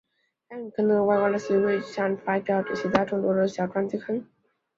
该陨坑的外观类似于月表上发现的其它众多的小撞击坑。